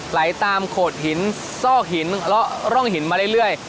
ไหลตามโขดหินซอกหินเลาะร่องหินมาเรื่อย